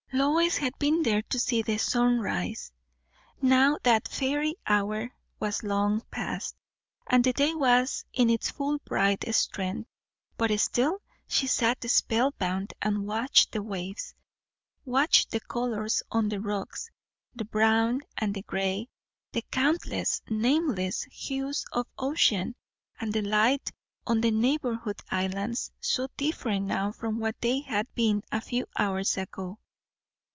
Lois had been there to see the sunrise; now that fairy hour was long past, and the day was in its full bright strength; but still she sat spellbound and watched the waves; watched the colours on the rocks, the brown and the grey; the countless, nameless hues of ocean, and the light on the neighbouring islands, so different now from what they had been a few hours ago.